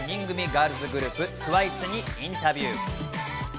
ガールズグループ・ＴＷＩＣＥにインタビュー。